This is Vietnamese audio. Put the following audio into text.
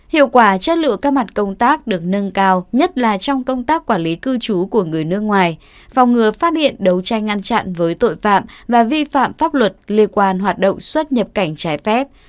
hiệu quả chất lượng các mặt công tác được nâng cao nhất là trong công tác quản lý cư trú của người nước ngoài phòng ngừa phát hiện đấu tranh ngăn chặn với tội phạm và vi phạm pháp luật liên quan hoạt động xuất nhập cảnh trái phép